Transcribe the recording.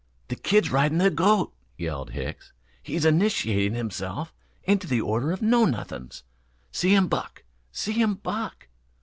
"The kid's riding the goat," yelled Hicks. "He's initiating himself into the order of Know Nuthins. See him buck! See him buck!"